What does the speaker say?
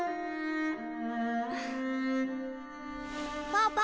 パパ！